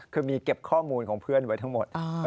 คือมีเก็บข้อมูลของเพื่อนไว้ทั้งหมด